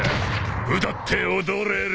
歌って踊れる